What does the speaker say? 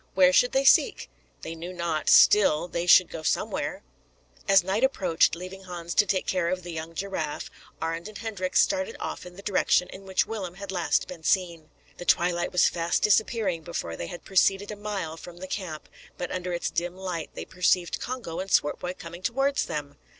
Where should they seek? They knew not; still, they should go somewhere. As night approached, leaving Hans to take care of the young giraffe, Arend and Hendrik started off in the direction in which Willem had last been seen. The twilight was fast disappearing before they had proceeded a mile from the camp, but under its dim light they perceived Congo and Swartboy coming towards them.